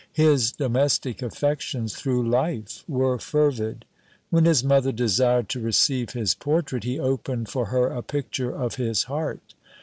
His domestic affections through life were fervid. When his mother desired to receive his portrait, he opened for her a picture of his heart!